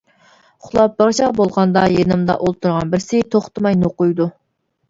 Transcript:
ئۇخلاپ بىرچاغ بولغاندا يېنىمدا ئولتۇرغان بىرسى توختىماي نوقۇيدۇ.